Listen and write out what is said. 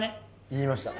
言いました。